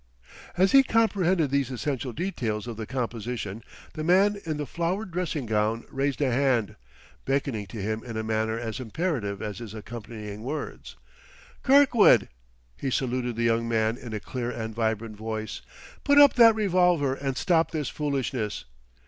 ] As he comprehended these essential details of the composition, the man in the flowered dressing gown raised a hand, beckoning to him in a manner as imperative as his accompanying words. "Kirkwood!" he saluted the young man in a clear and vibrant voice, "put up that revolver and stop this foolishness."